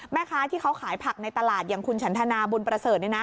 แม่ค้าที่เขาขายผักในตลาดอย่างคุณฉันทนาบุญประเสริฐ